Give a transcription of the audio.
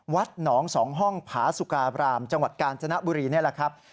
วัดหนอง๒ห้องผาสุการามจังหวัดกาญจนบุรีนี่แหละครับ